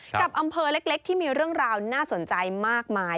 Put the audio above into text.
กับอำเภอเล็กที่มีเรื่องราวน่าสนใจมากมาย